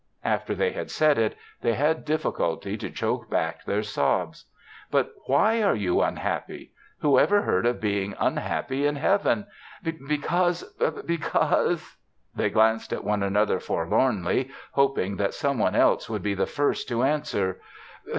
After they had said it, they had difficulty to choke back their sobs. "But why are you unhappy? Whoever heard of being unhappy in Heaven!" "Because because ." They glanced at one another forlornly, hoping that someone else would be the first to answer.